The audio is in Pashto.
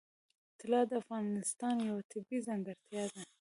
طلا د افغانستان یوه طبیعي ځانګړتیا ده.